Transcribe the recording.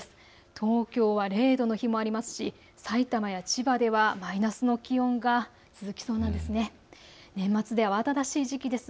東京は０度の日もありますしさいたまや千葉ではマイナスの気温が続きそうなんです。